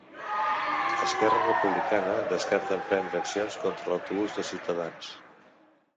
Esquerra Republicana descarta emprendre accions contra l'autobús de Ciutadans